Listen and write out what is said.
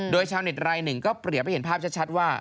โดยชาวเน็ตรายหนึ่งก็เปรียบให้เห็นภาพชัดว่า